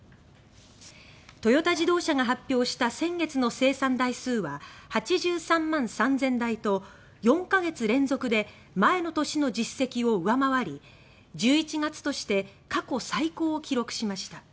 トヨタ自動車が発表した先月の生産台数は８３万３０００台と４か月連続で前の年の実績を上回り１１月として過去最高を記録しました。